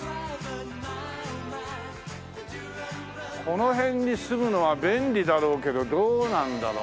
この辺に住むのは便利だろうけどどうなんだろう？